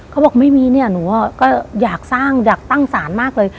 เขาบอกไม่มีเนี่ยหนูก็อยากสร้างอยากตั้งศาลมากเลย